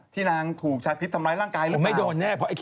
ที่นางถูกชาคริชทำร้ายร่างกายหรือเปล่า